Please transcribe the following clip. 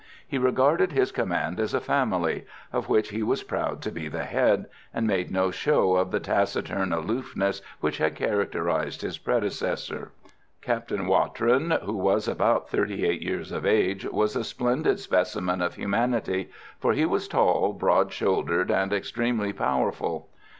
He regarded his command as a family, of which he was proud to be the head, and made no show of the taciturn aloofness which had characterised his predecessor. Captain Watrin, who was about thirty eight years of age, was a splendid specimen of humanity, for he was tall, broad shouldered, and extremely powerful.